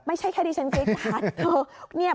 ไม่ใช่แค่ที่ฉันเกร็ดการ์ด